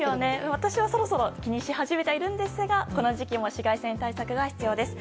私はそろそろ気にし始めてはいるんですがこの時期も紫外線対策が必要です。